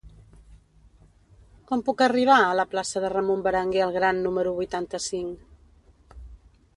Com puc arribar a la plaça de Ramon Berenguer el Gran número vuitanta-cinc?